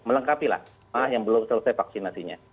melengkapi lah yang belum selesai vaksinasi nya